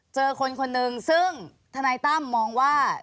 เจอคนคนหนึ่งซึ่งทนายตั้มมองว่า